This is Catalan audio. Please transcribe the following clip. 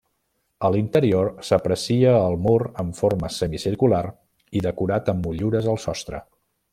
A l'interior s'aprecia el mur en forma semicircular i decorat amb motllures al sostre.